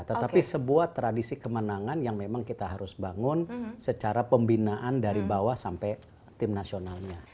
tetapi sebuah tradisi kemenangan yang memang kita harus bangun secara pembinaan dari bawah sampai tim nasionalnya